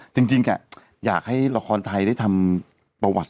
จริงอยากให้ละครไทยได้ทำประวัติ